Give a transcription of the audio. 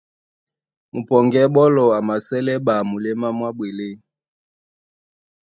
Mupɔŋgɛ́ ɓɔ́lɔ a masɛ́lɛ́ ɓa muléma mwá ɓwelé.